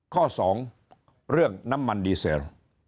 ข้อสองเรื่องน้ำมันดีเซล